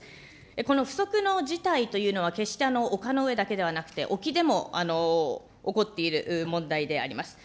この不測の事態というのは、決して丘の上だけではなくて、沖でも起こっている問題であります。